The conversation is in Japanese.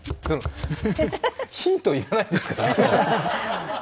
ヒント要らないですから。